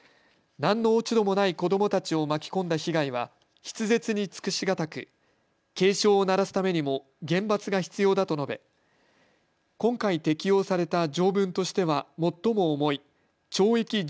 何の落ち度もない子どもたちを巻き込んだ被害は筆舌に尽くし難く警鐘を鳴らすためにも厳罰が必要だと述べ今回適用された条文としては最も重い懲役